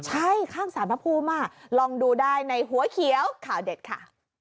ใช่ข้างสารพระภูมิลองดูได้ในหัวเขียวข่าวเด็ดค่ะ